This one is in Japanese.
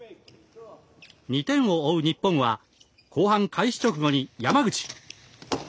２点を追う日本は後半開始直後に山口。